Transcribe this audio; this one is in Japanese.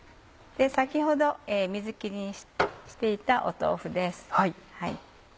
先ほど水切りしていた豆腐です。